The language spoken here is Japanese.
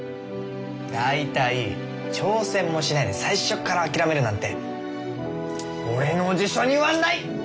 大体挑戦もしないで最初から諦めるなんて俺の辞書にはない！